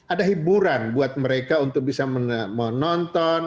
ada hiburan buat mereka untuk bisa menonton